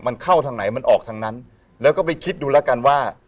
มันเข้าทางไหนมันออกทางนั้นแล้วก็ไปคิดดูแล้วกันว่า